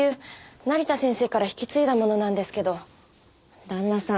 成田先生から引き継いだものなんですけど旦那さん